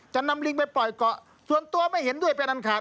นำลิงไปปล่อยเกาะส่วนตัวไม่เห็นด้วยเป็นอันขาด